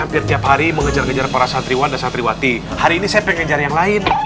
hampir tiap hari mengejar kejar para santriwan dan santriwati hari ini saya pengen cari yang lain